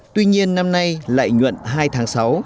tuy nhiên năm nay lại nhuận hai tháng sáu